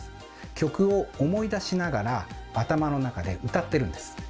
曲を思い出しながら頭の中で歌ってるんです。